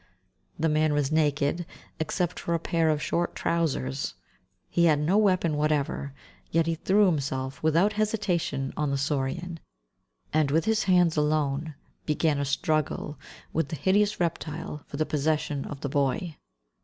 The man was naked, except for a pair of short trousers; he had no weapon whatever, yet he threw himself, without hesitation, on the saurian, and with his hands alone began a struggle with the hideous reptile for the possession of the boy.